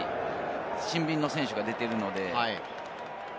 シンビンの選手が出ているので。